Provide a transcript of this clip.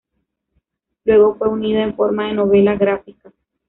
Luego fue unida en forma de novela gráfica.